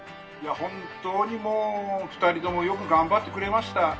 本当にもう、２人ともよく頑張ってくれました。